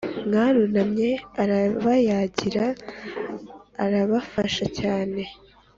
mwarunamye arabayagira arabafasha cyane